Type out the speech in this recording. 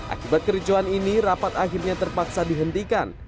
akibat kericuan ini rapat akhirnya terpaksa dihentikan